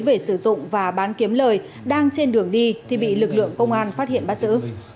về sử dụng và bán kiếm lời đang trên đường đi thì bị lực lượng công an phát hiện bắt giữ